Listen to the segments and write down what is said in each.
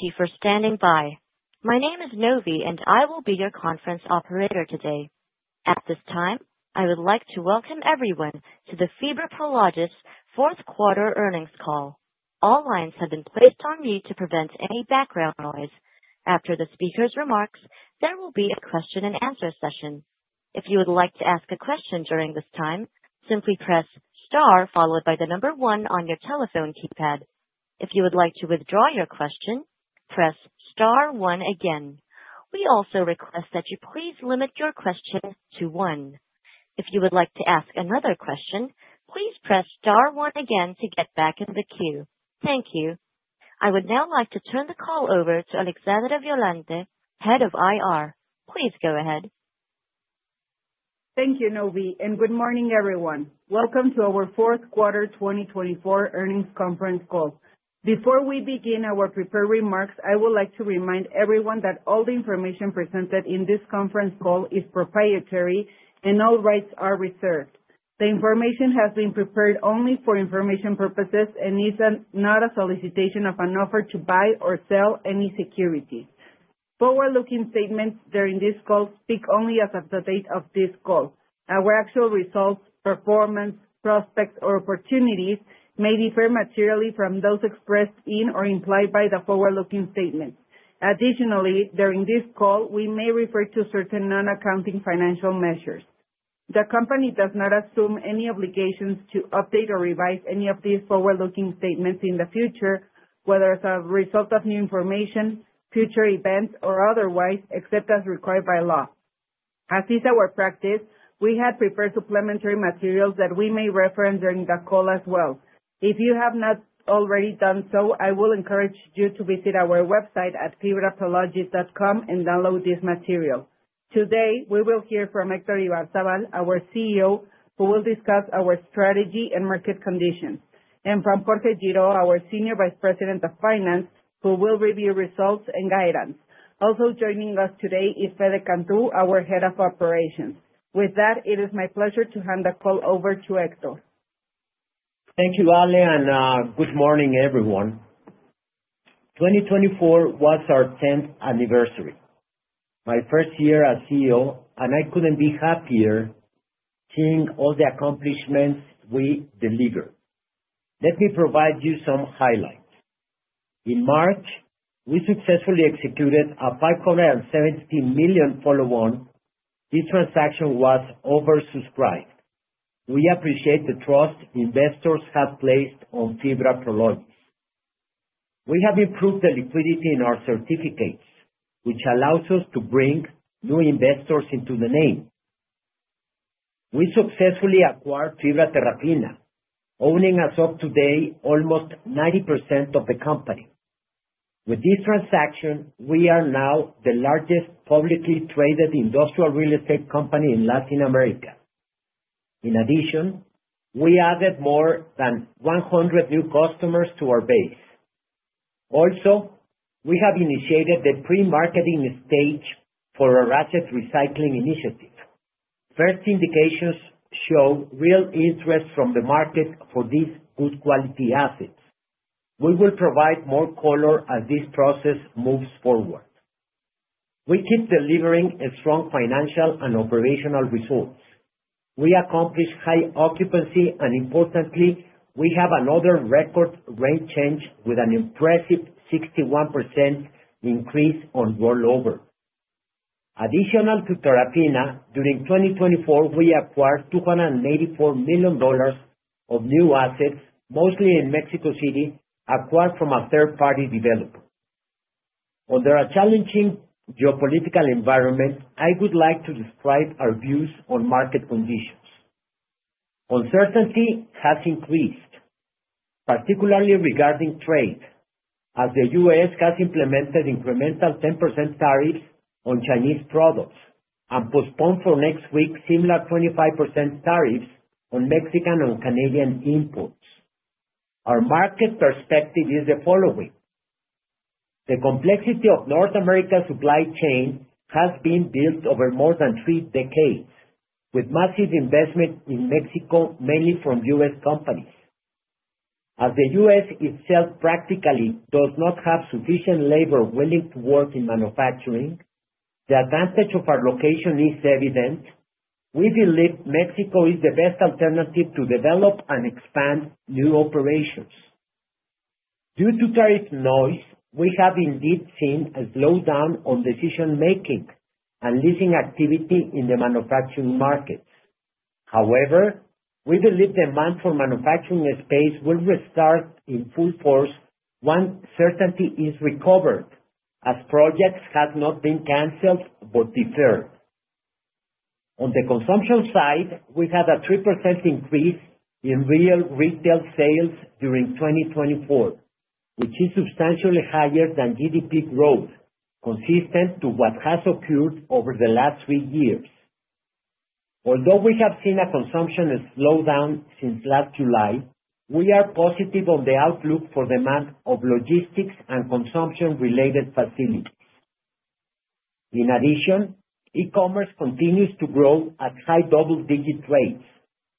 Thank you for standing by. My name is Novi, and I will be your conference operator today. At this time, I would like to welcome everyone to the FIBRA Prologis fourth quarter earnings call. All lines have been placed on mute to prevent any background noise. After the speaker's remarks, there will be a question-and-answer session. If you would like to ask a question during this time, simply press star followed by one on your telephone keypad. If you would like to withdraw your question, press star one again. We also request that you please limit your question to one. If you would like to ask another question, please press star one again to get back in the queue. Thank you. I would now like to turn the call over to Alexandra Violante, head of IR. Please go ahead. Thank you, Novi, and good morning, everyone. Welcome to our fourth quarter 2024 earnings conference call. Before we begin our prepared remarks, I would like to remind everyone that all the information presented in this conference call is proprietary and all rights are reserved. The information has been prepared only for information purposes and is not a solicitation of an offer to buy or sell any securities. Forward-looking statements during this call speak only as of the date of this call. Our actual results, performance, prospects, or opportunities may differ materially from those expressed in or implied by the forward-looking statements. Additionally, during this call, we may refer to certain non-accounting financial measures. The company does not assume any obligations to update or revise any of these forward-looking statements in the future, whether as a result of new information, future events, or otherwise, except as required by law. As is our practice, we have prepared supplementary materials that we may reference during the call as well. If you have not already done so, I will encourage you to visit our website at FIBRAPrologis.com and download this material. Today, we will hear from Héctor Ibarzabal, our CEO, who will discuss our strategy and market conditions, and from Jorge Girault, our Senior Vice President of Finance, who will review results and guidance. Also joining us today is Fede Cantú, our Head of Operations. With that, it is my pleasure to hand the call over to Héctor. Thank you, Ale, and good morning, everyone. 2024 was our 10th anniversary, my first year as CEO, and I couldn't be happier seeing all the accomplishments we delivered. Let me provide you some highlights. In March, we successfully executed a $517 million follow-on. This transaction was oversubscribed. We appreciate the trust investors have placed on FIBRA Prologis. We have improved the liquidity in our certificates, which allows us to bring new investors into the name. We successfully acquired FIBRA Terrafina, owning as of today almost 90% of the company. With this transaction, we are now the largest publicly traded industrial real estate company in Latin America. In addition, we added more than 100 new customers to our base. Also, we have initiated the pre-marketing stage for our asset recycling initiative. First indications show real interest from the market for these good quality assets. We will provide more color as this process moves forward. We keep delivering strong financial and operational results. We accomplish high occupancy and, importantly, we have another record rent change with an impressive 61% increase on rollover. In addition to Terrafina, during 2024, we acquired $284 million of new assets, mostly in Mexico City, acquired from a third-party developer. Under a challenging geopolitical environment, I would like to describe our views on market conditions. Uncertainty has increased, particularly regarding trade, as the U.S. has implemented incremental 10% tariffs on Chinese products and postponed for next week similar 25% tariffs on Mexican and Canadian imports. Our market perspective is the following: the complexity of North America's supply chain has been built over more than three decades, with massive investment in Mexico, mainly from U.S. companies. As the U.S. itself practically does not have sufficient labor willing to work in manufacturing, the advantage of our location is evident. We believe Mexico is the best alternative to develop and expand new operations. Due to tariff noise, we have indeed seen a slowdown on decision-making and leasing activity in the manufacturing markets. However, we believe demand for manufacturing space will restart in full force once certainty is recovered, as projects have not been canceled but deferred. On the consumption side, we had a 3% increase in real retail sales during 2024, which is substantially higher than GDP growth, consistent to what has occurred over the last three years. Although we have seen a consumption slowdown since last July, we are positive on the outlook for demand of logistics and consumption-related facilities. In addition, e-commerce continues to grow at high double-digit rates,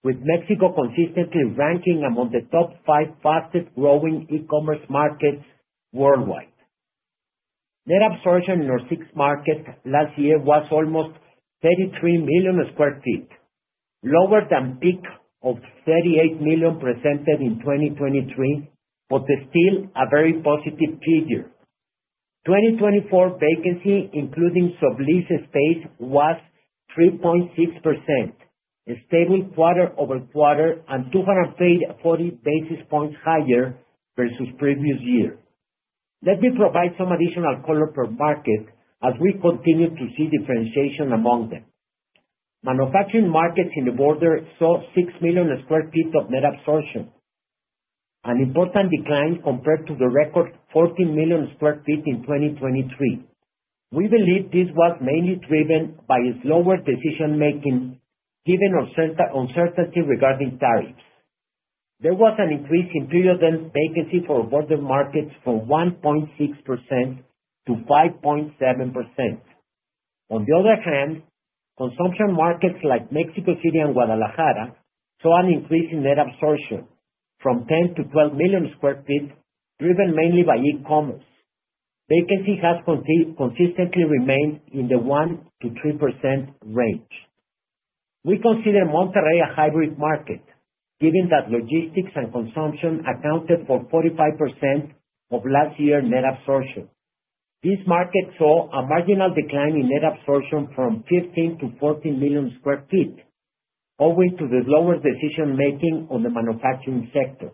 with Mexico consistently ranking among the top five fastest-growing e-commerce markets worldwide. Net absorption in our six markets last year was almost 33 million sq ft, lower than the peak of 38 million sq ft presented in 2023, but still a very positive figure. 2024 vacancy, including sublease space, was 3.6%, a stable quarter-over-quarter and 240 basis points higher versus previous year. Let me provide some additional color per market as we continue to see differentiation among them. Manufacturing markets in the border saw 6 million sq ft of net absorption, an important decline compared to the record 14 million sq ft in 2023. We believe this was mainly driven by slower decision-making given uncertainty regarding tariffs. There was an increase in period-end vacancy for border markets from 1.6%-5.7%. On the other hand, consumption markets like Mexico City and Guadalajara saw an increase in net absorption from 10-12 million sq ft, driven mainly by e-commerce. Vacancy has consistently remained in the 1%-3% range. We consider Monterrey a hybrid market, given that logistics and consumption accounted for 45% of last year's net absorption. This market saw a marginal decline in net absorption from 15-14 million sq ft, owing to the slower decision-making on the manufacturing sector.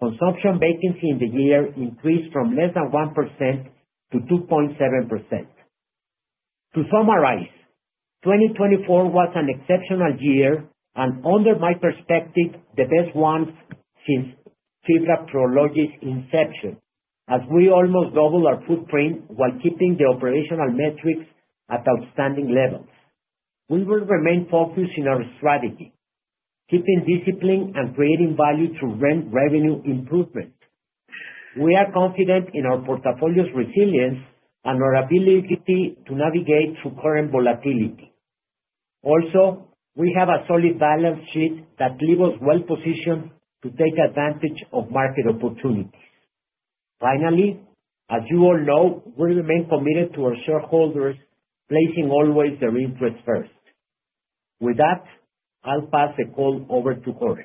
Consumption vacancy in the year increased from less than 1% to 2.7%. To summarize, 2024 was an exceptional year and, under my perspective, the best one since FIBRA Prologis inception, as we almost doubled our footprint while keeping the operational metrics at outstanding levels. We will remain focused in our strategy, keeping discipline and creating value through revenue improvement. We are confident in our portfolio's resilience and our ability to navigate through current volatility. Also, we have a solid balance sheet that leaves us well-positioned to take advantage of market opportunities. Finally, as you all know, we remain committed to our shareholders, placing always their interests first. With that, I'll pass the call over to Jorge.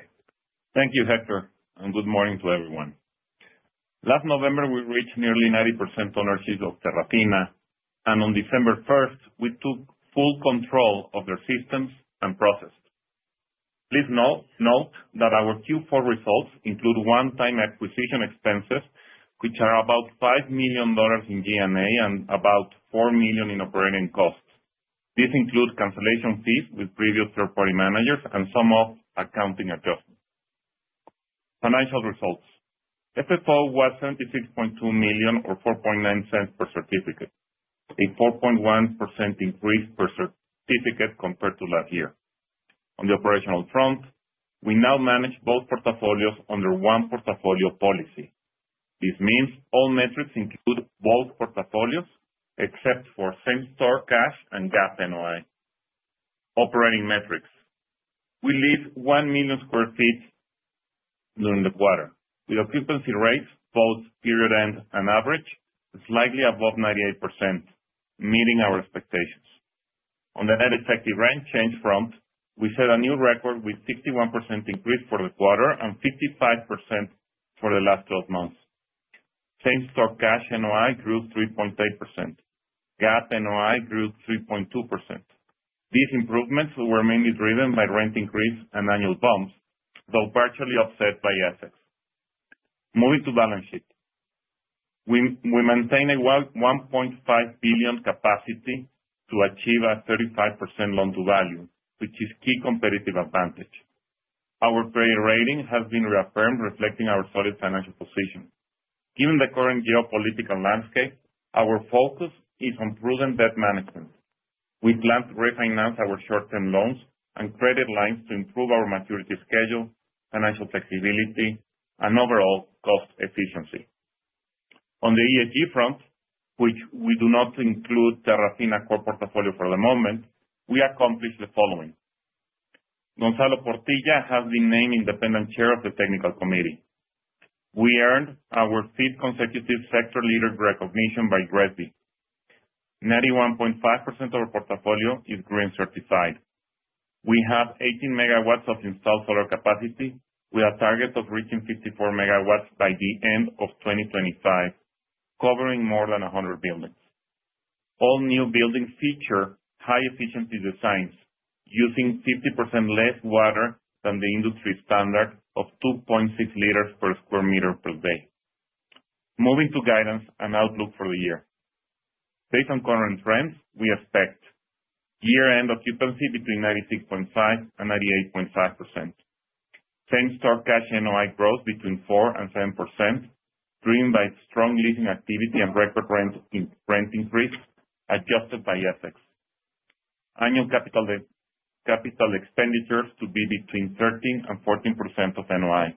Thank you, Héctor, and good morning to everyone. Last November, we reached nearly 90% ownership of Terrafina, and on December 1st, we took full control of their systems and processes. Please note that our Q4 results include one-time acquisition expenses, which are about $5 million in G&A and about $4 million in operating costs. This includes cancellation fees with previous third-party managers and some of accounting adjustments. Financial results: FFO was $76.2 million or $0.049 per certificate, a 4.1% increase per certificate compared to last year. On the operational front, we now manage both portfolios under one portfolio policy. This means all metrics include both portfolios except for same-store cash and GAAP NOI. Operating metrics: we leased 1 million sq ft during the quarter with occupancy rates both period-end and average slightly above 98%, meeting our expectations. On the net effective rent change front, we set a new record with a 61% increase for the quarter and 55% for the last 12 months. Same-store cash NOI grew 3.8%. GAAP NOI grew 3.2%. These improvements were mainly driven by rent increase and annual bumps, though partially offset by assets. Moving to balance sheet: we maintain a $1.5 billion capacity to achieve a 35% loan-to-value, which is a key competitive advantage. Our credit rating has been reaffirmed, reflecting our solid financial position. Given the current geopolitical landscape, our focus is on prudent debt management. We plan to refinance our short-term loans and credit lines to improve our maturity schedule, financial flexibility, and overall cost efficiency. On the ESG front, which we do not include Terrafina core portfolio for the moment, we accomplished the following: Gonzalo Portilla has been named Independent Chair of the Technical Committee. We earned our fifth consecutive sector-leader recognition by GRESB. 91.5% of our portfolio is green certified. We have 18 megawatts of installed solar capacity with a target of reaching 54 megawatts by the end of 2025, covering more than 100 buildings. All new buildings feature high-efficiency designs using 50% less water than the industry standard of 2.6 liters per square meter per day. Moving to guidance and outlook for the year: based on current trends, we expect year-end occupancy between 96.5% and 98.5%. Same-store cash NOI growth between 4% and 7%, driven by strong leasing activity and record rent increase adjusted by assets. Annual capital expenditures to be between 13% and 14% of NOI.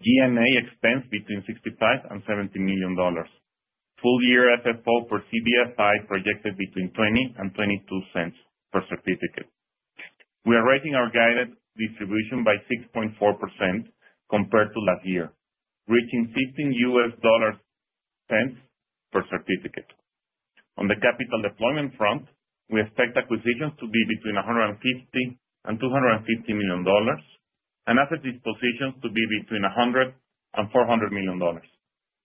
G&A expense between $65 million and $70 million. Full-year FFO per CBFI projected between $0.20 and $0.22 per certificate. We are raising our guided distribution by 6.4% compared to last year, reaching $15.00 per certificate. On the capital deployment front, we expect acquisitions to be between $150 million and $250 million, and asset dispositions to be between $100 million and $400 million,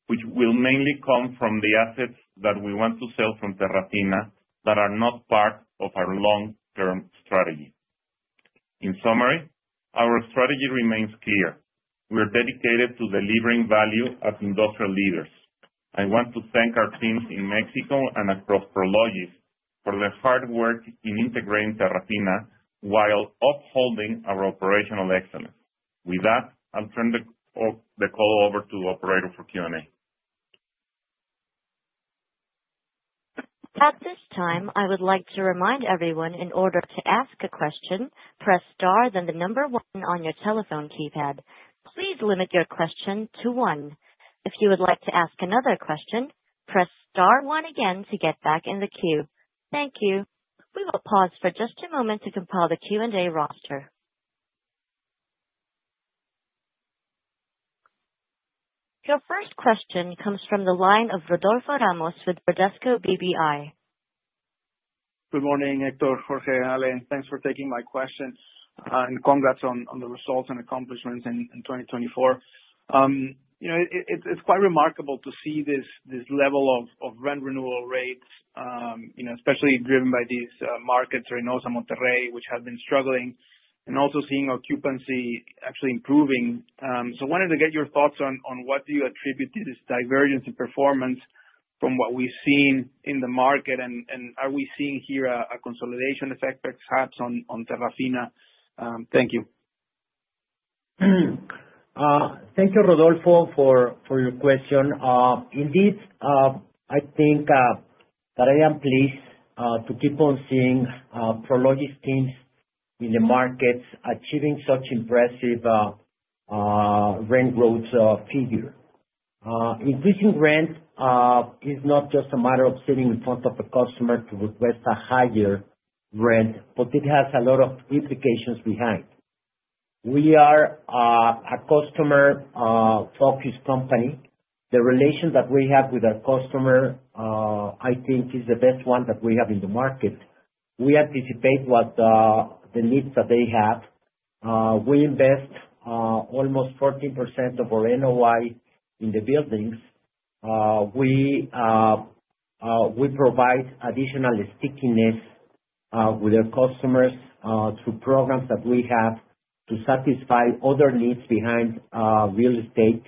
which will mainly come from the assets that we want to sell from Terrafina that are not part of our long-term strategy. In summary, our strategy remains clear. We are dedicated to delivering value as industrial leaders. I want to thank our teams in Mexico and across Prologis for their hard work in integrating Terrafina while upholding our operational excellence. With that, I'll turn the call over to the operator for Q&A. At this time, I would like to remind everyone, in order to ask a question, press star then one on your telephone keypad. Please limit your question to one. If you would like to ask another question, press star one again to get back in the queue. Thank you. We will pause for just a moment to compile the Q&A roster. Your first question comes from the line of Rodolfo Ramos with Bradesco BBI. Good morning, Héctor Jorge Ale. Thanks for taking my question, and congrats on the results and accomplishments in 2024. It's quite remarkable to see this level of rent renewal rates, especially driven by these markets right now in Santa Catarina, which have been struggling, and also seeing occupancy actually improving. So I wanted to get your thoughts on what do you attribute to this divergence in performance from what we've seen in the market, and are we seeing here a consolidation effect, perhaps, on Terrafina? Thank you. Thank you, Rodolfo, for your question. Indeed, I think that I am pleased to keep on seeing Prologis teams in the markets achieving such an impressive rent growth figure. Increasing rent is not just a matter of sitting in front of a customer to request a higher rent, but it has a lot of implications behind. We are a customer-focused company. The relation that we have with our customer, I think, is the best one that we have in the market. We anticipate the needs that they have. We invest almost 14% of our NOI in the buildings. We provide additional stickiness with our customers through programs that we have to satisfy other needs behind real estate.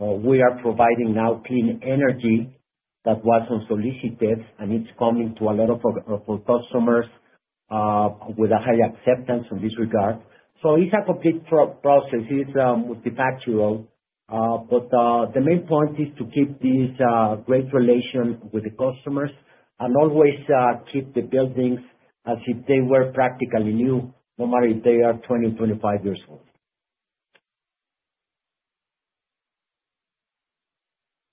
We are providing now clean energy that wasn't solicited, and it's coming to a lot of our customers with a high acceptance in this regard. So it's a complete process. It's multifaceted, but the main point is to keep this great relation with the customers and always keep the buildings as if they were practically new, no matter if they are 20, 25 years old.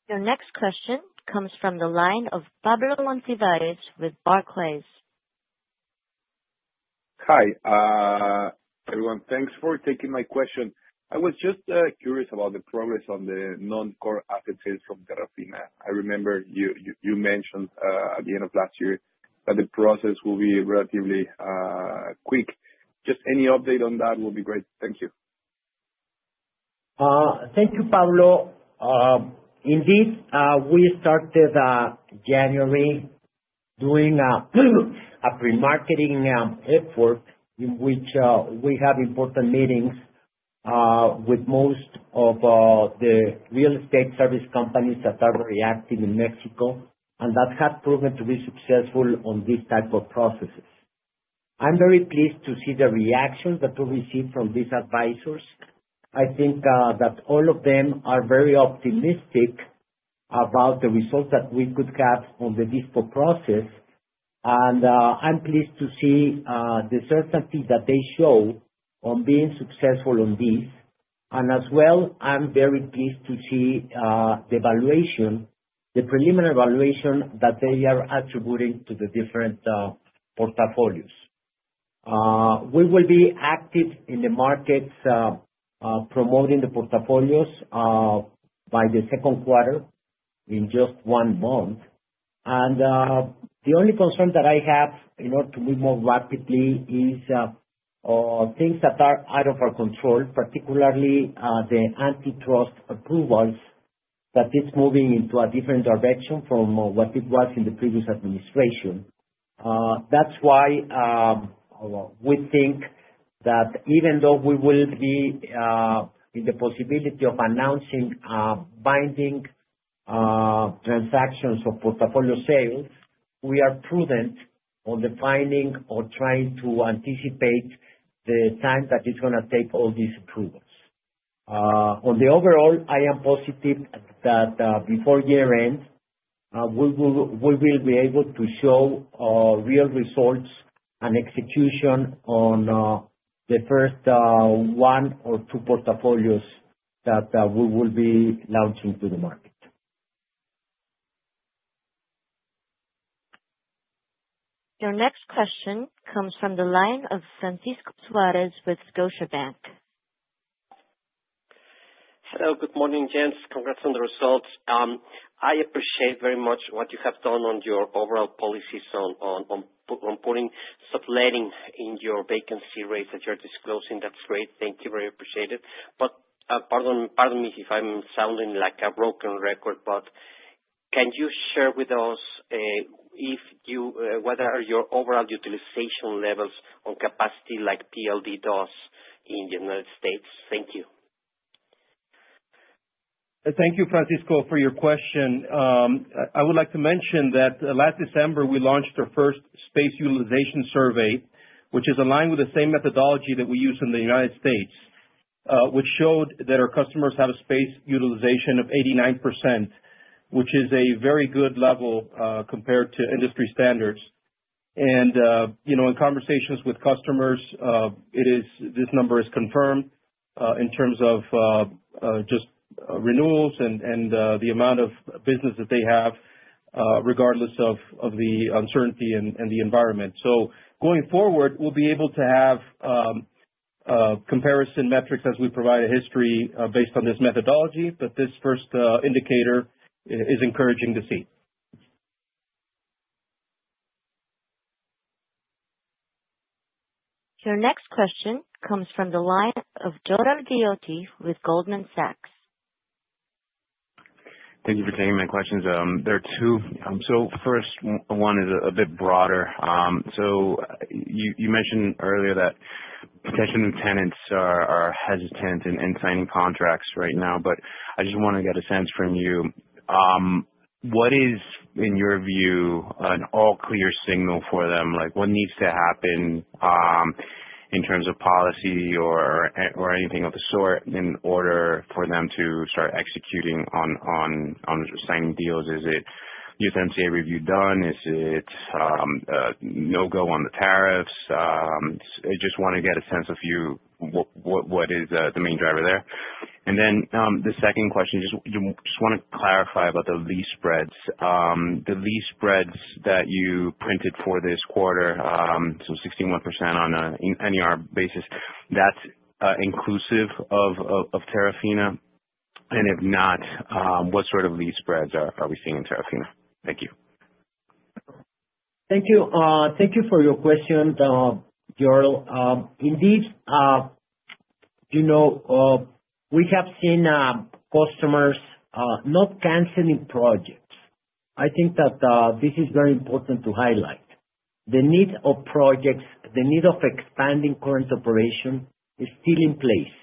Your next question comes from the line of Pablo Monsivais with Barclays. Hi, everyone. Thanks for taking my question. I was just curious about the progress on the non-core asset sales from Terrafina. I remember you mentioned at the end of last year that the process will be relatively quick. Just any update on that would be great. Thank you. Thank you, Pablo. Indeed, we started January doing a pre-marketing effort in which we have important meetings with most of the real estate service companies that are very active in Mexico, and that has proven to be successful on this type of processes. I'm very pleased to see the reactions that we received from these advisors. I think that all of them are very optimistic about the results that we could have on this whole process, and I'm pleased to see the certainty that they show on being successful on this. And as well, I'm very pleased to see the preliminary evaluation that they are attributing to the different portfolios. We will be active in the markets promoting the portfolios by the second quarter in just one month. The only concern that I have in order to move more rapidly is things that are out of our control, particularly the antitrust approvals that it's moving into a different direction from what it was in the previous administration. That's why we think that even though we will be in the possibility of announcing binding transactions or portfolio sales, we are prudent on defining or trying to anticipate the time that it's going to take all these approvals. On the overall, I am positive that before year-end, we will be able to show real results and execution on the first one or two portfolios that we will be launching to the market. Your next question comes from the line of Francisco Suárez with Scotiabank. Hello. Good morning, gents. Congrats on the results. I appreciate very much what you have done on your overall policies on putting subletting in your vacancy rates that you're disclosing. That's great. Thank you. Very appreciated. But pardon me if I'm sounding like a broken record, but can you share with us whether your overall utilization levels on capacity like PLD does in the United States? Thank you. Thank you, Francisco, for your question. I would like to mention that last December, we launched our first space utilization survey, which is aligned with the same methodology that we use in the United States, which showed that our customers have a space utilization of 89%, which is a very good level compared to industry standards. In conversations with customers, this number is confirmed in terms of just renewals and the amount of business that they have, regardless of the uncertainty and the environment. Going forward, we'll be able to have comparison metrics as we provide a history based on this methodology, but this first indicator is encouraging to see. Your next question comes from the line of Giuliano Dionisio with Goldman Sachs. Thank you for taking my questions. There are two. So first, one is a bit broader. So you mentioned earlier that potential new tenants are hesitant in signing contracts right now, but I just want to get a sense from you. What is, in your view, an all-clear signal for them? What needs to happen in terms of policy or anything of the sort in order for them to start executing on signing deals? Is it USMCA review done? Is it no-go on the tariffs? I just want to get a sense of what is the main driver there. And then the second question, I just want to clarify about the lease spreads. The lease spreads that you printed for this quarter, so 61% on an NER basis, that's inclusive of Terrafina? And if not, what sort of lease spreads are we seeing in Terrafina? Thank you. Thank you for your question, Jordan. Indeed, we have seen customers not canceling projects. I think that this is very important to highlight. The need of projects, the need of expanding current operation is still in place.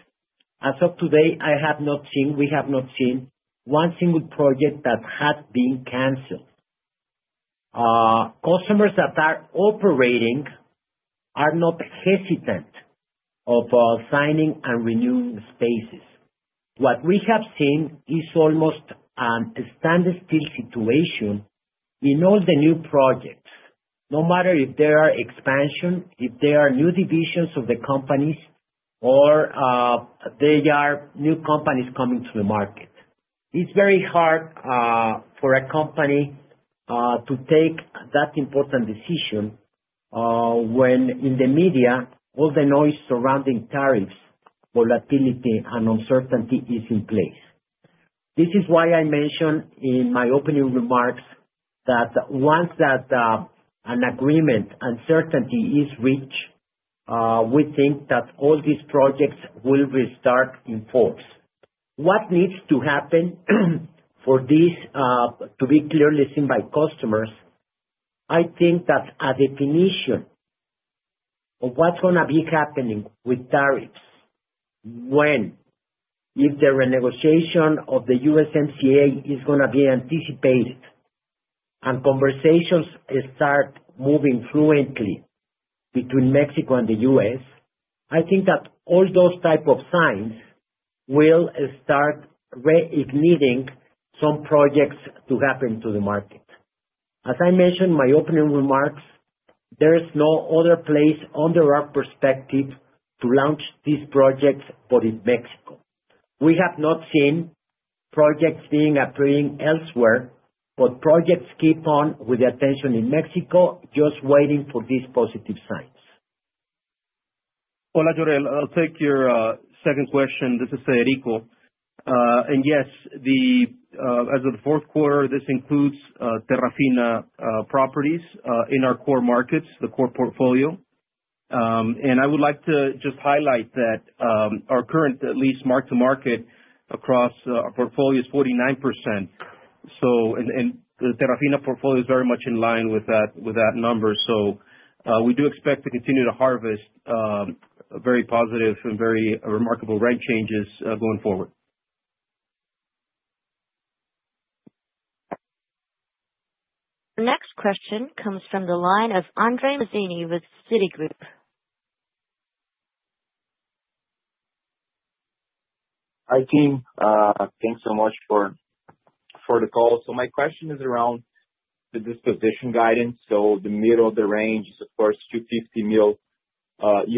As of today, we have not seen one single project that had been canceled. Customers that are operating are not hesitant of signing and renewing spaces. What we have seen is almost a standstill situation in all the new projects, no matter if there are expansions, if there are new divisions of the companies, or there are new companies coming to the market. It's very hard for a company to take that important decision when, in the media, all the noise surrounding tariffs, volatility, and uncertainty is in place. This is why I mentioned in my opening remarks that once an agreement uncertainty is reached, we think that all these projects will restart in force. What needs to happen for this to be clearly seen by customers? I think that a definition of what's going to be happening with tariffs when, if the renegotiation of the USMCA is going to be anticipated and conversations start moving fluently between Mexico and the US, I think that all those type of signs will start reigniting some projects to happen to the market. As I mentioned in my opening remarks, there is no other place under our perspective to launch these projects but in Mexico. We have not seen projects being approved elsewhere, but projects keep on with the attention in Mexico, just waiting for these positive signs. Hola, Giuliano. I'll take your second question. This is Federico. And yes, as of the fourth quarter, this includes Terrafina properties in our core markets, the core portfolio. And I would like to just highlight that our current lease mark-to-market across our portfolio is 49%. And the Terrafina portfolio is very much in line with that number. So we do expect to continue to harvest very positive and very remarkable rent changes going forward. Your next question comes from the line of Andre Mazini with Citigroup. Hi, team. Thanks so much for the call. So my question is around the disposition guidance. So the middle of the range is, of course, $250 million. And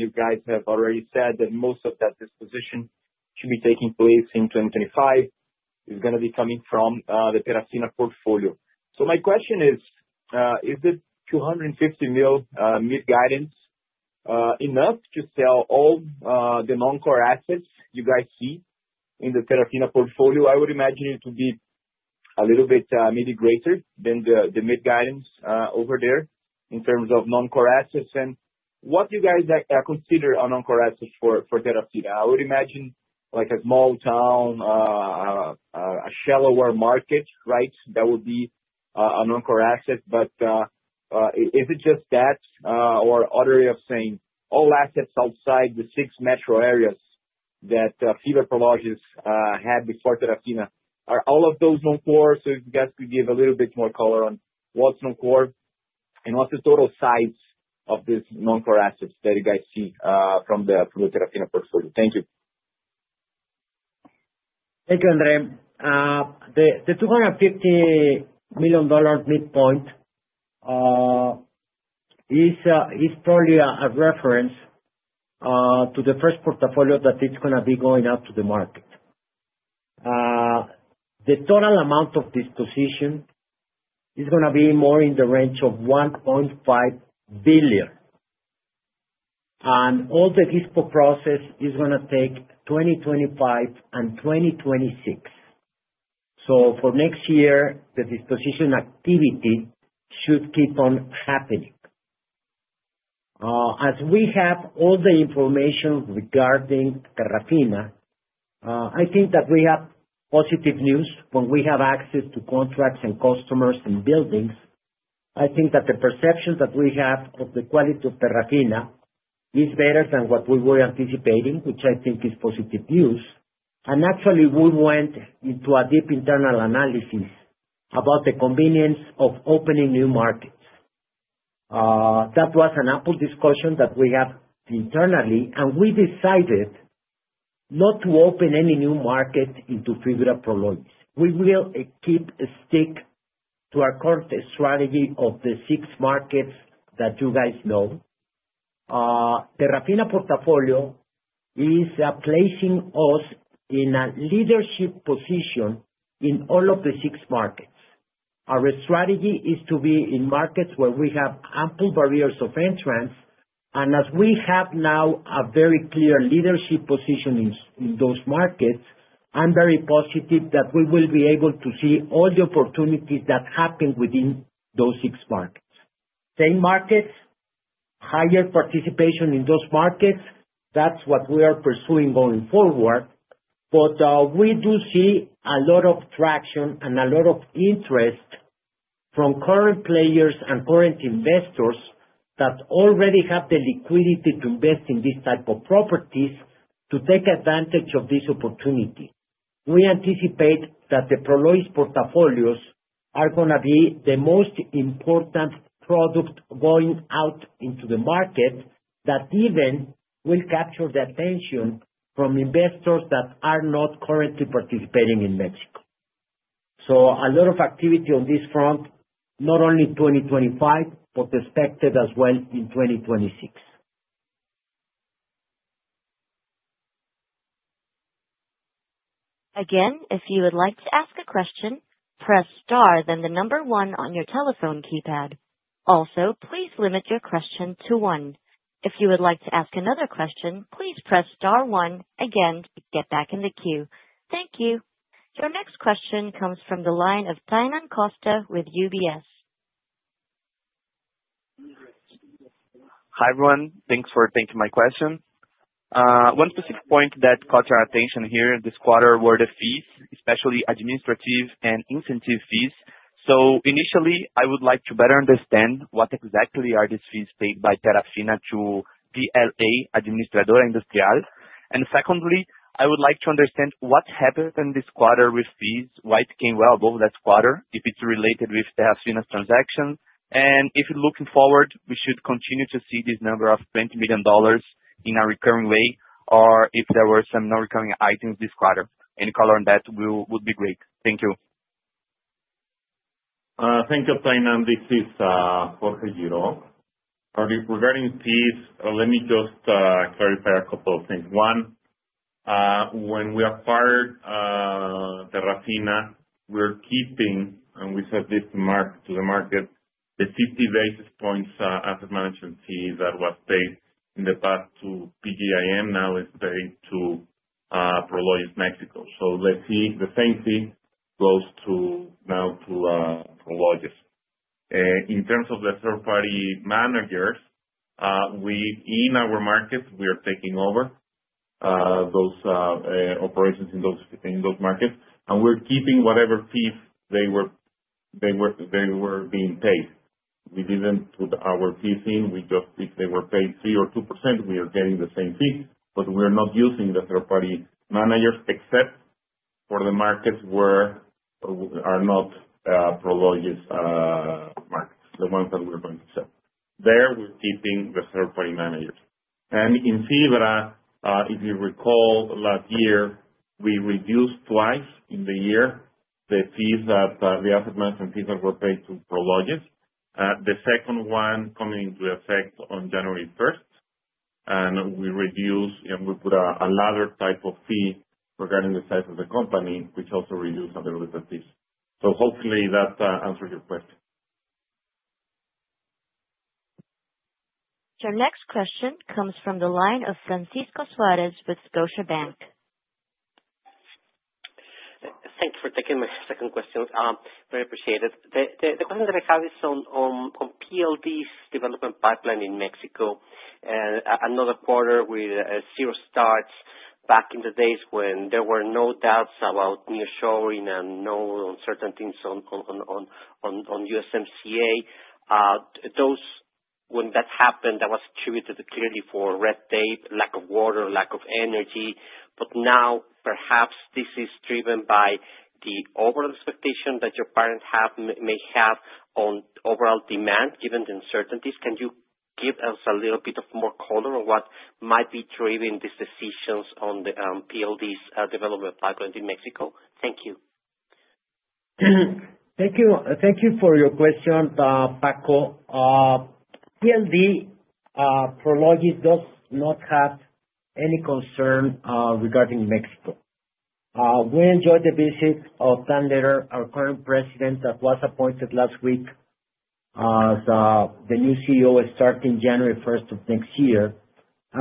you guys have already said that most of that disposition should be taking place in 2025. It's going to be coming from the Terrafina portfolio. So my question is, is the $250 million mid-guidance enough to sell all the non-core assets you guys see in the Terrafina portfolio? I would imagine it to be a little bit maybe greater than the mid-guidance over there in terms of non-core assets. And what do you guys consider a non-core asset for Terrafina? I would imagine a small town, a shallower market, right, that would be a non-core asset. But is it just that or other way of saying, all assets outside the six metro areas that FIBRA Prologis had before Terrafina? Are all of those non-core? So if you guys could give a little bit more color on what's non-core and what's the total size of these non-core assets that you guys see from the Terrafina portfolio. Thank you. Thank you, Andre. The $250 million midpoint is probably a reference to the first portfolio that it's going to be going out to the market. The total amount of disposition is going to be more in the range of $1.5 billion. All the GISPO process is going to take 2025 and 2026. So for next year, the disposition activity should keep on happening. As we have all the information regarding Terrafina, I think that we have positive news. When we have access to contracts and customers and buildings, I think that the perception that we have of the quality of Terrafina is better than what we were anticipating, which I think is positive news. And actually, we went into a deep internal analysis about the convenience of opening new markets. That was an ample discussion that we have internally, and we decided not to open any new market into FIBRA Prologis. We will stick to our current strategy of the six markets that you guys know. Terrafina portfolio is placing us in a leadership position in all of the six markets. Our strategy is to be in markets where we have ample barriers to entry. And as we have now a very clear leadership position in those markets, I'm very positive that we will be able to see all the opportunities that happen within those six markets. Same markets, higher participation in those markets, that's what we are pursuing going forward. But we do see a lot of traction and a lot of interest from current players and current investors that already have the liquidity to invest in these type of properties to take advantage of this opportunity. We anticipate that the Prologis portfolios are going to be the most important product going out into the market that even will capture the attention from investors that are not currently participating in Mexico. So a lot of activity on this front, not only 2025 but expected as well in 2026. Again, if you would like to ask a question, press star then the number one on your telephone keypad. Also, please limit your question to one. If you would like to ask another question, please press star one again to get back in the queue. Thank you. Your next question comes from the line of Tainan Costa with UBS. Hi, everyone. Thanks for taking my question. One specific point that caught our attention here this quarter were the fees, especially administrative and incentive fees. So initially, I would like to better understand what exactly are these fees paid by Terrafina to PLA Administradora Industrial. Secondly, I would like to understand what happened this quarter with fees, why it came well above that quarter, if it's related with Terrafina's transactions. If looking forward, we should continue to see this number of $20 million in a recurring way or if there were some non-recurring items this quarter. Any color on that would be great. Thank you. Thank you, Tainan. This is Jorge Girault. Regarding fees, let me just clarify a couple of things. One, when we acquired Terrafina, we were keeping, and we said this to the market, the 50 basis points asset management fee that was paid in the past to PGIM now is paid to Prologis Mexico. So the same fee goes now to Prologis. In terms of the third-party managers, in our markets, we are taking over those operations in those markets. And we're keeping whatever fees they were being paid. We didn't put our fees in. If they were paid 3% or 2%, we are getting the same fee. But we are not using the third-party managers except for the markets that are not Prologis markets, the ones that we're going to sell. There, we're keeping the third-party managers. In FIBRA, if you recall last year, we reduced twice in the year the asset management fees that were paid to Prologis. The second one coming into effect on January 1st, we reduced and we put another type of fee regarding the size of the company, which also reduced a little bit the fees. Hopefully, that answers your question. Your next question comes from the line of Francisco Suárez with Scotiabank. Thanks for taking my second question. Very appreciated. The question that I have is on PLD's development pipeline in Mexico. Another quarter with zero starts back in the days when there were no doubts about nearshoring and no uncertainties on USMCA. When that happened, that was attributed clearly for red tape, lack of water, lack of energy. But now, perhaps this is driven by the overall expectation that your parents may have on overall demand given the uncertainties. Can you give us a little bit of more color on what might be driving these decisions on PLD's development pipeline in Mexico? Thank you. Thank you for your question, Paco. PLD Prologis does not have any concern regarding Mexico. We enjoyed the visit of Dan Letter, our current president that was appointed last week as the new CEO starting January 1st of next year.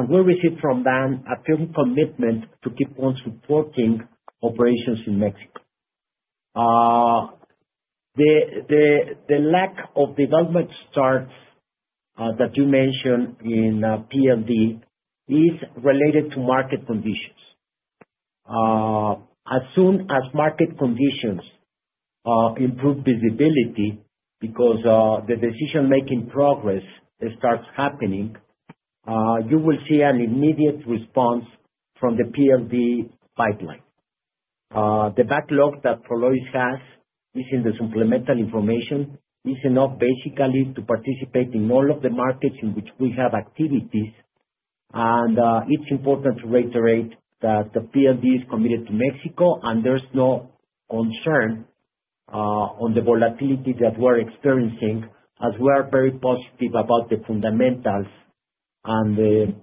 We received from Dan a firm commitment to keep on supporting operations in Mexico. The lack of development starts that you mentioned in PLD is related to market conditions. As soon as market conditions improve visibility because the decision-making progress starts happening, you will see an immediate response from the PLD pipeline. The backlog that Prologis has within the supplemental information is enough, basically, to participate in all of the markets in which we have activities. It's important to reiterate that the PLD is committed to Mexico, and there's no concern on the volatility that we're experiencing as we are very positive about the fundamentals and the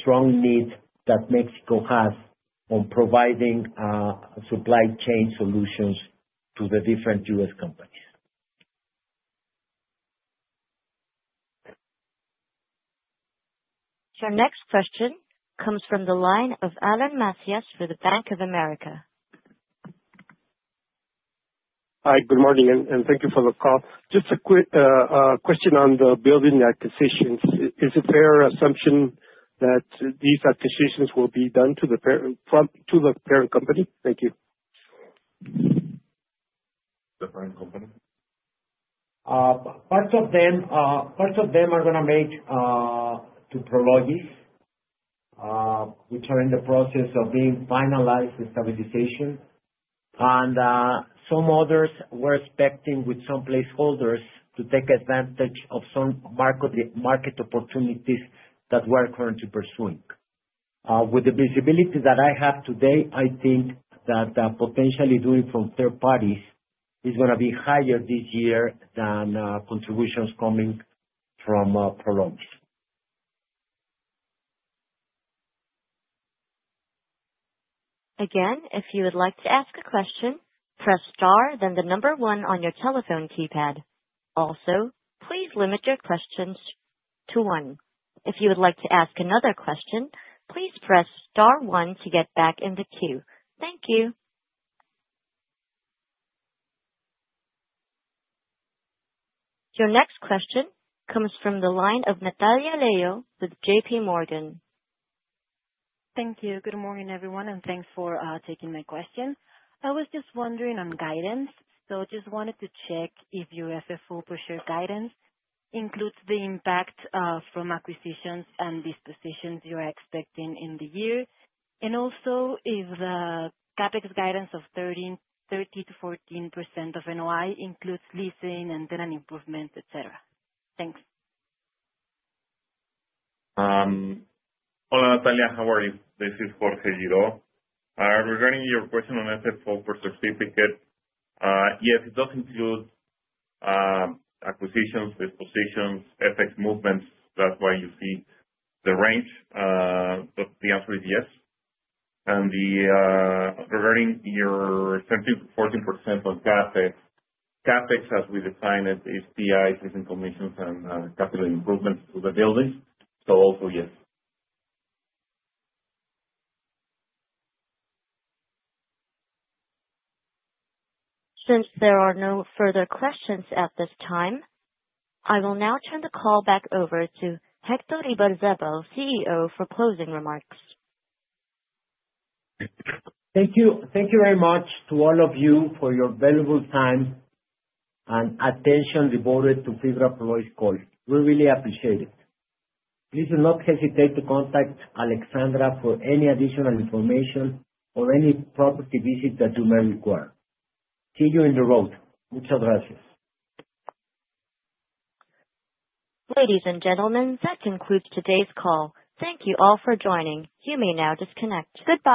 strong need that Mexico has on providing supply chain solutions to the different U.S. companies. Your next question comes from the line of Alan Macias for the Bank of America. Hi. Good morning. Thank you for the call. Just a quick question on the building acquisitions. Is it fair assumption that these acquisitions will be done to the parent company? Thank you. The parent company? Parts of them are going to make to Prologis, which are in the process of being finalized the stabilization. And some others we're expecting with some placeholders to take advantage of some market opportunities that we're currently pursuing. With the visibility that I have today, I think that potentially doing from third parties is going to be higher this year than contributions coming from Prologis. Again, if you would like to ask a question, press star then the number one on your telephone keypad. Also, please limit your questions to one. If you would like to ask another question, please press star one to get back in the queue. Thank you. Your next question comes from the line of Natalia Li with J.P. Morgan. Thank you. Good morning, everyone. Thanks for taking my question. I was just wondering on guidance. So I just wanted to check if FFO per share guidance includes the impact from acquisitions and dispositions you're expecting in the year and also if the CapEx guidance of 3%-4% of NOI includes leasing and then an improvement, etc. Thanks. Hola, Natalia. How are you? This is Jorge Girault. Regarding your question on FFO per certificate, yes, it does include acquisitions, dispositions, FX movements. That's why you see the range. But the answer is yes. And regarding your 13%-14% on CapEx, CapEx as we define it is TI's, leasing commissions, and capital improvements to the buildings. So also, yes. Since there are no further questions at this time, I will now turn the call back over to Héctor Ibarzabal, CEO, for closing remarks. Thank you very much to all of you for your valuable time and attention devoted to FIBRA Prologis call. We really appreciate it. Please do not hesitate to contact Alexandra for any additional information or any property visit that you may require. See you on the road. Muchas gracias. Ladies and gentlemen, that concludes today's call. Thank you all for joining. You may now disconnect. Goodbye.